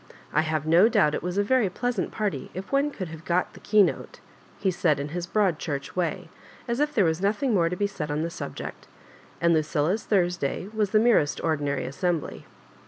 "I have no doufbt it was a very pleasant party, if one could have got the key note," he said in his Broad Church wa^*, as if there was nothing more to bo said on the subject, and Lucilla's Thursday was the merest ordinary assembly.